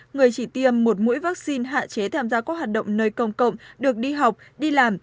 người chỉ tiêm một mũi vaccine hạn chế tham gia các hoạt động nơi công cộng được đi học đi làm